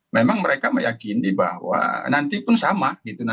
memang mereka meyakini bahwa nanti pun sama